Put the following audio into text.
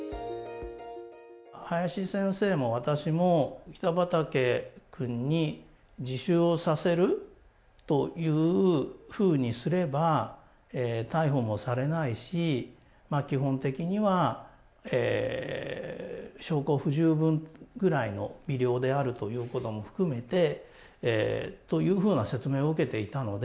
林先生も私も、北畠君に自首をさせるというふうにすれば、逮捕もされないし、基本的には証拠不十分ぐらいの微量であるということも含めて、というふうな説明を受けていたので。